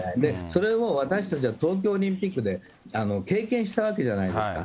それを私たちは東京オリンピックで経験したわけじゃないですか。